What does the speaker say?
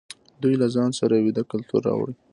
دوی له ځان سره ویدي کلتور راوړ.